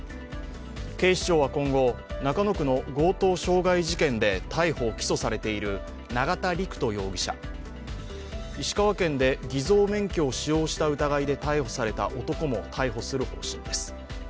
警視庁は今後、中野区の強盗傷害事件で逮捕・起訴されている永田陸人容疑者、石川県で偽造免許を使用した疑いで逮捕された男も逮捕する方針です。